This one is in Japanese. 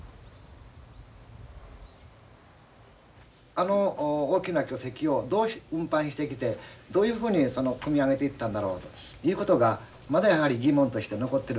あの大きな巨石をどう運搬してきてどういうふうに組み上げていったんだろうということがまだやはり疑問として残ってるわけであります。